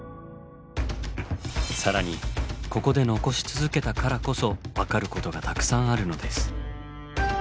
更にここで残し続けたからこそ分かることがたくさんあるのです。